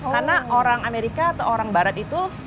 karena orang amerika atau orang barat itu